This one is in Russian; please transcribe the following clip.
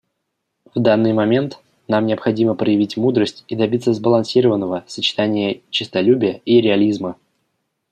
В данный момент нам необходимо проявить мудрость и добиться сбалансированного сочетания честолюбия и реализма.